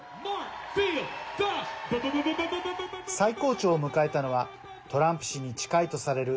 最高潮を迎えたのはトランプ氏に近いとされる